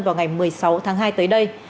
vào ngày một mươi sáu tháng hai tới đây